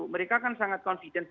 mereka kan sangat confident